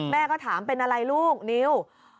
แม่ก็ถามเป็นอะไรลูกนิว